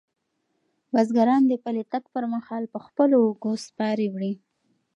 بزګران د پلي تګ پر مهال په خپلو اوږو سپارې وړي.